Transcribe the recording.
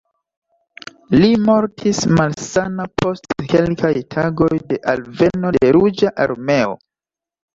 Li mortis malsana post kelkaj tagoj de alveno de Ruĝa Armeo.